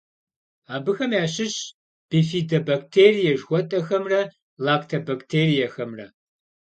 Абыхэм ящыщщ бифидобактерие жыхуэтӏэхэмрэ лактобактериехэмрэ.